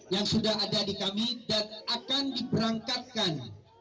yang sudah ada di kami dan akan diberangkatkan